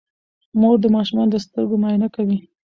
مور د ماشومانو د سترګو معاینه کوي.